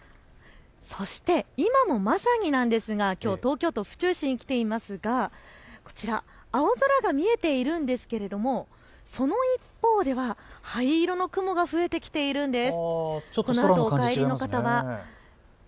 そして今もまさになんですがきょう東京都府中市に来ていますがこちら、青空が見えているんですがその一方では灰色の雲が増えてきているんです。